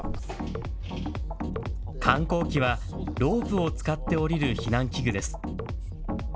緩降機はロープを使って降りる避難器具です。